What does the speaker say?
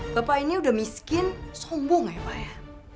bapak ini udah miskin sumbung ya pak ya